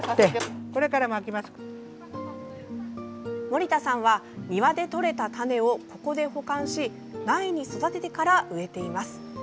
森田さんは庭で採れた種をここで保管し苗に育ててから植えています。